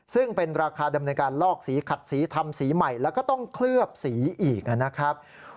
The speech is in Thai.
ซึ่งเป็นราคาดำเนินการลอกสีขัดสีทำสีใหม่แล้วก็ต้องเคลือบสีอีกนะครับ